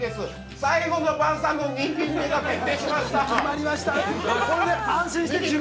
最後の晩さんの２品目が決まりました。